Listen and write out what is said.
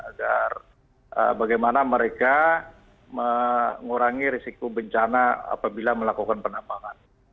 agar bagaimana mereka mengurangi risiko bencana apabila melakukan penambangan